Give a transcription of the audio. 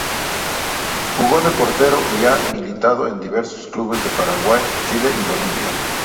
Jugó de portero y ha militado en diversos clubes de Paraguay, Chile y Bolivia.